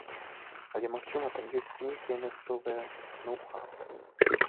Але, магчыма, там ёсць нейкія мясцовыя ноў-хаў.